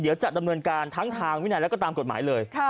เดี๋ยวจะดำเนินการทั้งทางวินัยแล้วก็ตามกฎหมายเลย